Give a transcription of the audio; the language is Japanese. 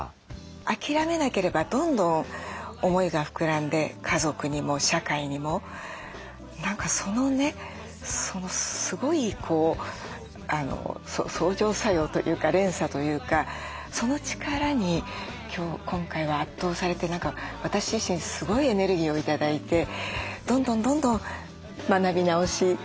諦めなければどんどん思いが膨らんで家族にも社会にも何かそのねすごい相乗作用というか連鎖というかその力に今回は圧倒されて私自身すごいエネルギーを頂いてどんどんどんどん学び直していきたいなと。